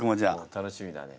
楽しみだね。